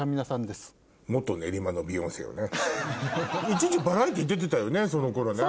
一時バラエティー出てたよね